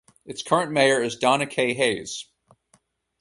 Its current mayor is Donna K. Hayes.